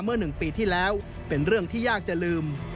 เมื่อ๑ปีที่แล้วเป็นเรื่องที่ยากจะลืม